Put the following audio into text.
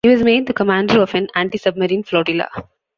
He was made the commander of an anti-submarine flotila.